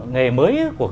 nghề mới của